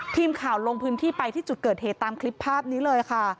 ทีมข่าวลงพื้นที่ไปที่จุดเกิดเหตุตามคลิปภาพนี้เลยค่ะ